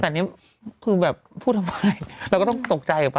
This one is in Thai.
แต่นี่คือแบบพูดทำไมเราก็ต้องตกใจกับป